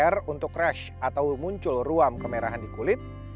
r untuk crash atau muncul ruam kemerahan di kulit